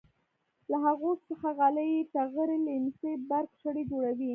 له هغو څخه غالۍ ټغرې لیمڅي برک شړۍ جوړوي.